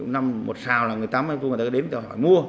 năm một sao là người tắm người ta cứ đến hỏi mua